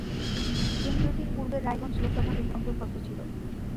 এই কেন্দ্রটি পূর্বে রায়গঞ্জ লোকসভা কেন্দ্রের অন্তর্গত ছিল।